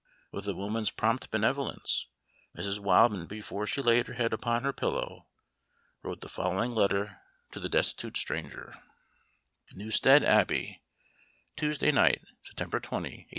With a woman's prompt benevolence, Mrs. Wildman, before she laid her head upon her pillow, wrote the following letter to the destitute stranger: "NEWSTEAD ABBEY, "Tuesday night, September 20, 1825.